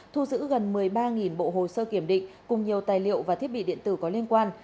thu giữ gần một mươi ba bộ hồ sơ kiểm định cùng nhiều tài liệu và thiết bị điện tử có liên quan